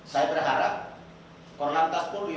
saya berharap korantas polri